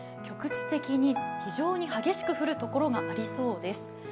局地的に非常に激しく降るところがありそうです。